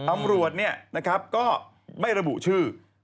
ตำรวจก็ไม่ระบุชื่อ